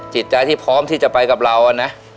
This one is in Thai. จิตใจที่พร้อมที่จะไปกับเรานะ